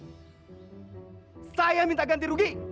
pokoknya kalau ibu ibu tidak mau saya mengeluarkan anak saya ini